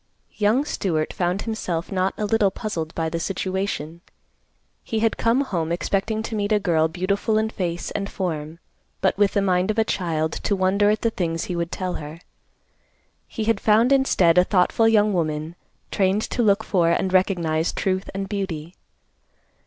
Young Stewart found himself not a little puzzled by the situation. He had come home expecting to meet a girl beautiful in face and form, but with the mind of a child to wonder at the things he would tell her. He had found, instead, a thoughtful young woman trained to look for and recognize truth and beauty.